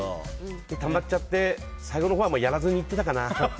たまっちゃって最後のほうはやらずに行ってたかな。